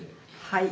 はい。